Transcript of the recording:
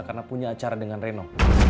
karena punya acara dengan reno